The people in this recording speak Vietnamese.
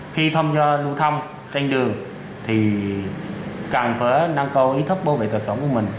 khi thông do lưu thông trên đường thì càng phở năng cầu ý thức bảo vệ tựa sống của mình